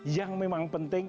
yang memang penting